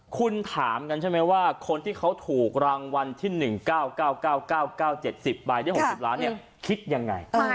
คุณถามกันใช่ไหมว่าคนที่เขาถูกรางวัลที่๑๙๙๙๙๙๙๗๐ใบได้๖๐ล้านเนี่ยคิดยังไง